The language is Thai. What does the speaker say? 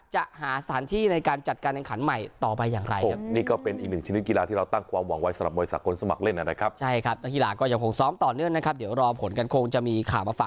จะหาสถานที่ในการจัดการแข่งขันใหม่ต่อไปอย่างไร